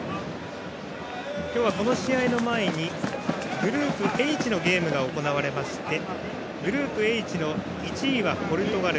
今日はこの試合の前にグループＨのゲームが行われましてグループＨの１位はポルトガル。